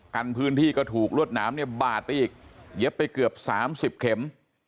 กันพื้นที่ก็ถูกลวดหนามเนี่ยบาดไปอีกเย็บไปเกือบ๓๐เข็ม